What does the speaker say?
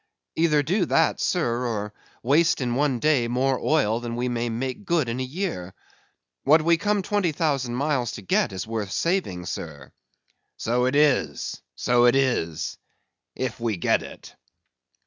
"Either do that, sir, or waste in one day more oil than we may make good in a year. What we come twenty thousand miles to get is worth saving, sir." "So it is, so it is; if we get it."